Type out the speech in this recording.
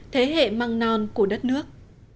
thế hệ măng non của đất nước